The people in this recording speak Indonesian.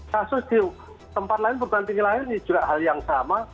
kasus di tempat lain bergantinya lain ini juga hal yang berbeda